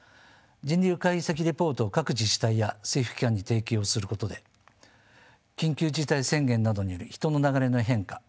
人流解析レポートを各自治体や政府機関に提供することで緊急事態宣言などによる人の流れの変化